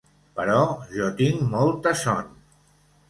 Però jo tinc molta son.